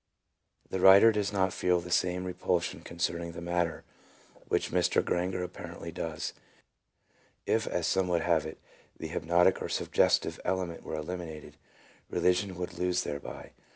1 The writer does not feel the same repulsion con cerning the matter which Mr. Granger apparently does. If, as some would have it, the hypnotic or suggestive element were eliminated, religion would lose thereby.